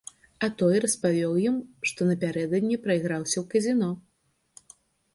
А той распавёў ім, што напярэдадні прайграўся ў казіно.